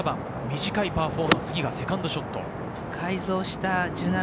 短いパー４のセカンドショット。